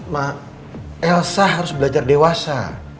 mak elsa harus belajar dewasa